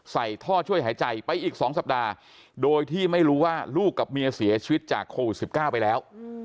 ใส่ท่อช่วยหายใจไปอีก๒สัปดาห์โดยที่ไม่รู้ว่าลูกกับเมียเสียชีวิตจากโควิด๑๙ไปแล้ว